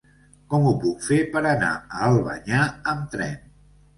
Com ho puc fer per anar a Albanyà amb tren?